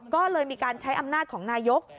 ก็เลยมีการใช้อำนาจของนายก